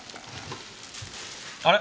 あれ？